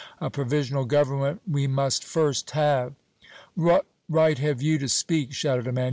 A provisional government we must first have!" "What right have you to speak?" shouted a man.